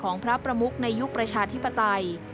ของพระประมุกในยุคประชาธิปไตย